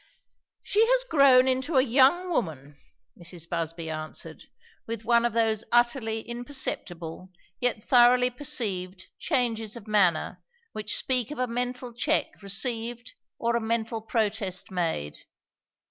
"She has grown into a young woman," Mrs. Busby answered, with one of those utterly imperceptible, yet thoroughly perceived, changes of manner which speak of a mental check received or a mental protest made.